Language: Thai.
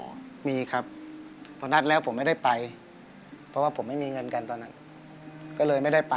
ก็มีครับพอนัดแล้วผมไม่ได้ไปเพราะว่าผมไม่มีเงินกันตอนนั้นก็เลยไม่ได้ไป